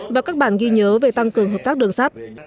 và các bản ghi nhớ về tăng cường hợp tác đường sắt